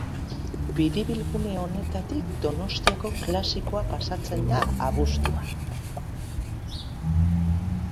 Biribilgune honetatik Donostiako Klasikoa pasatzen da abuztuan.